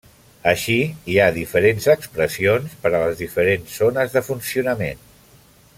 Així, hi ha diferents expressions per a les diferents zones de funcionament.